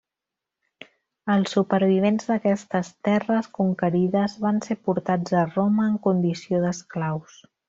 Els supervivents d'aquestes terres conquerides van ser portats a Roma en condició d'esclaus.